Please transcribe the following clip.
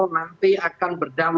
nanti akan berdamai